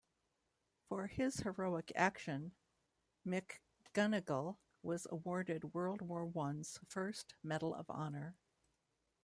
For his heroic action, McGunigal was awarded World War One's first Medal of Honor.